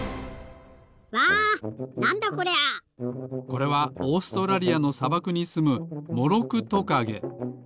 これはオーストラリアのさばくにすむモロクトカゲ。